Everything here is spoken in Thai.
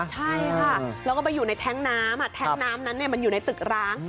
ใช่ค่ะแล้วก็ไปอยู่ในแท้งน้ำแท้งน้ำนั้นมันอยู่ในตึกร้าง